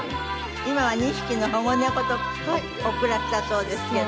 今は２匹の保護猫とお暮らしだそうですけど。